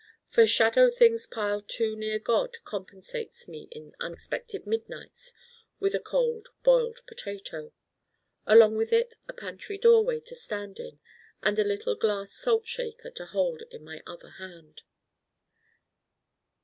For shadow things piled too near God compensates me in unexpected midnights with a Cold Boiled Potato: along with it a pantry doorway to stand in and a little glass salt shaker to hold in my other hand.